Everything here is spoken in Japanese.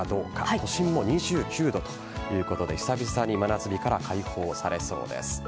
都心も２９度ということで久々に真夏日から解放されそうです。